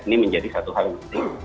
ini menjadi satu hal yang penting